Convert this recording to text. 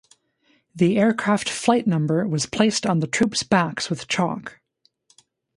The aircraft flight number was placed on the troops' backs with chalk.